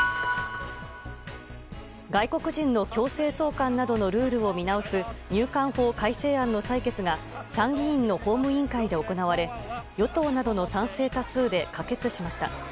外国人の強制送還などのルールを見直す入管法改正案の採決が参議院の法務委員会で行われ与党などの賛成多数で可決しました。